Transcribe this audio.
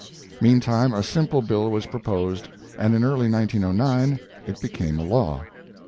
Meantime a simple bill was proposed and early in 1909 it became a law.